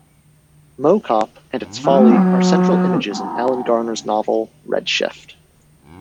Mow Cop and its folly are central images in Alan Garner's novel, "Red Shift".